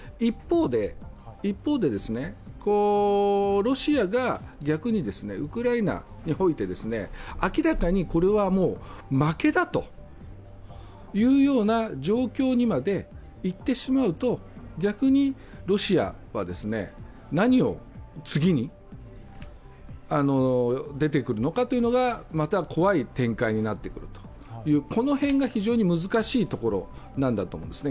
一方で、ロシアが逆にウクライナにおいて明らかにこれはもう負けだという状況にまでいってしまうと逆にロシアは何を次に出てくるのかというのがまた怖い展開になってくるというこの辺が非常に難しいところなんだと思います。